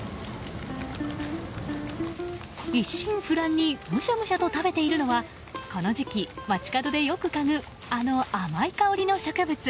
一心不乱にむしゃむしゃと食べているのはこの時期、街角でよくかぐあの甘い香りの植物。